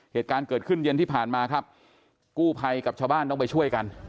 เหตุการณ์เกิดขึ้นเย็นที่ผ่านมาครับกู้ภัยกับชาวบ้านต้องไปช่วยกัน